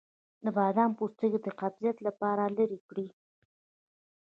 د بادام پوستکی د قبضیت لپاره لرې کړئ